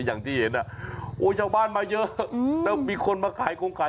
อย่างที่เห็นอ่ะโอ้ยชาวบ้านมาเยอะแล้วมีคนมาขายโครงขาย